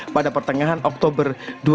pada pertengahan oktober dua ribu dua puluh